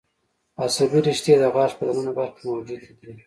عصبي رشتې د غاښ په د ننه برخه کې موجود دي.